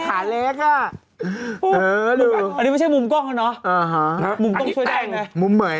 แกยังไงก็แต่งเหี้ยวขาเร็วมาก